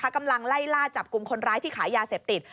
กำลังไล่ล่าจับกลุ่มคนร้ายที่ขายยาเสพติด